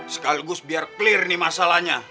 sekaligus biar clear nih masalahnya